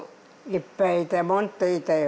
いっぱいいたもっといたよ。